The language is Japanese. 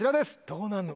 どうなんの？